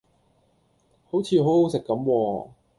好似好好食咁喎